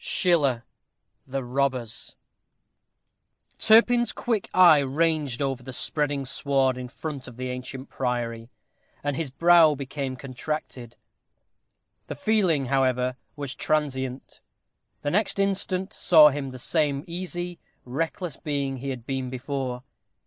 SCHILLER: The Robbers. Turpin's quick eye ranged over the spreading sward in front of the ancient priory, and his brow became contracted. The feeling, however, was transient. The next instant saw him the same easy, reckless being he had been before.